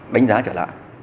đánh giá trở lại